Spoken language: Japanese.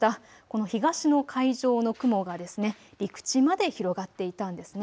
この東の海上の雲が陸地まで広がっていたんですね。